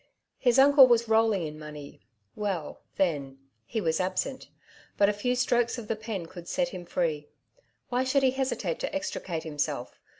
His uncle was rolling in money; well, then, he was absent ; but a few strokes of the pen could set him free. Why should he hesitate to extricate himself?